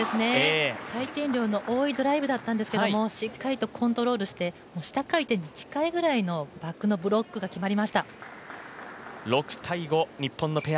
回転量の多いドライブだったんですけどしっかりと、コントロールして下回転に近いぐらいのバックのブロックが決まりました。